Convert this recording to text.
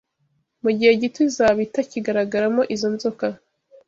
mu gihe gito izaba itakigaragaramo izo nzoka